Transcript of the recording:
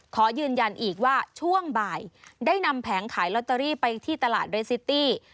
ขอยืนยันอีกว่าช่วงบ่ายได้นำแผงขายลอตเตอรี่ไปที่ตลาดเรสซิตี้